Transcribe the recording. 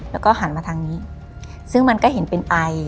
แล้วก็หันมาทางนี้ซึ่งมันก็เห็นเป็นไอ